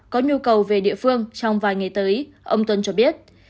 có nhu cầu về địa phương trong vài ngày tới ông tuân cho biết